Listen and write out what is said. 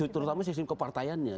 terutama sistem kepartaiannya